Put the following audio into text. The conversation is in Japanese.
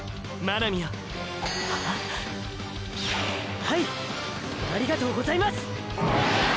ありがとうございます！！